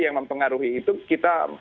yang mempengaruhi itu kita